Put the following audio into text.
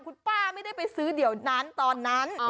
คุณป้าไม่ได้ไปซื้อเดี๋ยวนั้นตอนนั้น